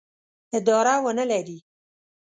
اداره ونه لري.